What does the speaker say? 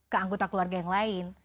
ke anggota keluarga yang lain